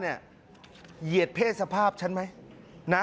เหยียดเพศสภาพฉันไหม